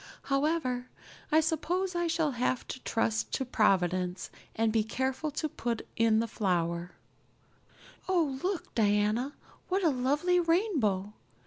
"However, I suppose I shall just have to trust to Providence and be careful to put in the flour. Oh, look, Diana, what a lovely rainbow!